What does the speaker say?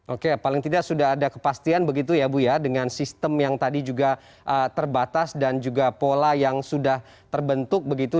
oke paling tidak sudah ada kepastian begitu ya bu ya dengan sistem yang tadi juga terbatas dan juga pola yang sudah terbentuk begitu